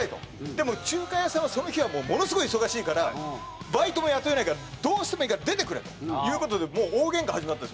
でも中華屋さんはその日はものすごい忙しいからバイトも雇えないからどうしてもいいから出てくれという事で大ゲンカが始まったんですよ。